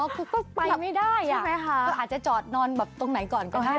คือก็ไปไม่ได้อะอาจจะจอดนอนแบบตรงไหนก่อนก็ได้